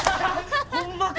ホンマか！